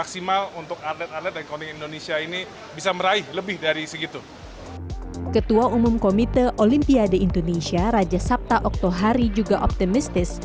ketua umum komite olimpiade indonesia raja sabta oktohari juga optimistis